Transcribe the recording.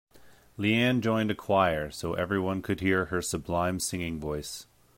Leanne joined a choir so everyone could hear her sublime singing voice.